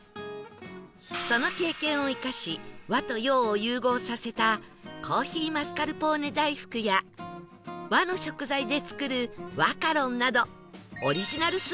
その経験を生かし和と洋を融合させた珈琲マスカルポーネ大福や和の食材で作る和カロンなど